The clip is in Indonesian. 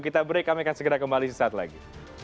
kita break kami akan segera kembali suatu saat lagi